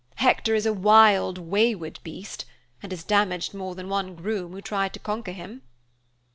Hector is a wild, wayward beast, and has damaged more than one groom who tried to conquer him."